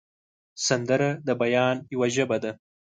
سندره د بیان یوه ژبه ده